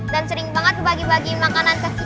dan sering banget bagi bagi makanan ke kita kita